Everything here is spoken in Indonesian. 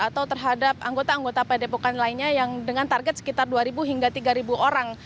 atau terhadap anggota anggota padepokan lainnya yang dengan target sekitar dua hingga tiga orang